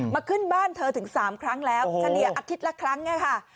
ขึ้นบ้านเธอถึง๓ครั้งแล้วเฉลี่ยอาทิตย์ละครั้งเนี่ยค่ะ